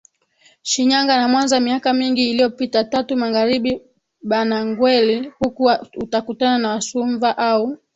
Shinyanga na Mwanza miaka mingi iliyopitaTatu MagharibiBhanangweli Huku utakutana na Wasumva au